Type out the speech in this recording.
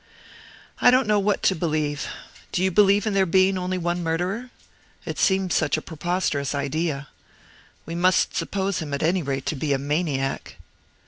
"I don't know what to believe. Do you believe in there being only one murderer? It seems such a preposterous idea. We must suppose him, at any rate, to be a maniac."